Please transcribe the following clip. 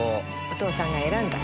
お父さんが選んだ。